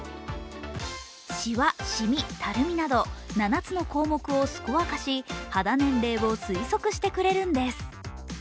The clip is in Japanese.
シワ、シミ、たるみなど、７つの項目をスコア化し、肌年齢を推測してくれるんです。